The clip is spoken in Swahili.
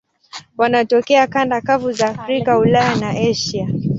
Wanatokea kanda kavu za Afrika, Ulaya na Asia.